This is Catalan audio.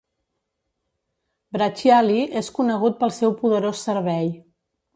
Bracciali és conegut pel seu poderós servei.